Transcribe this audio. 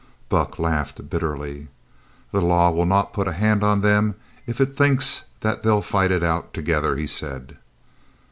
Buck laughed bitterly. "The law will not put a hand on them if it thinks that they'll fight it out together," he said.